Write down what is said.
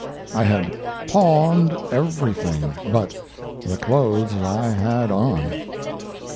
I had pawned everything but the clothes I had on."